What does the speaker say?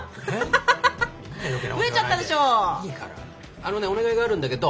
あのねお願いがあるんだけど。